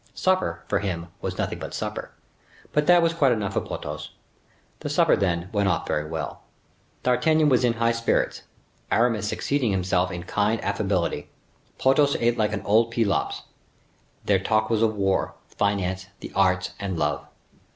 Supper, for him, was nothing but supper; but that was quite enough for Porthos. The supper, then, went off very well. D'Artagnan was in high spirits. Aramis exceeded himself in kind affability. Porthos ate like old Pelops. Their talk was of war, finance, the arts, and love.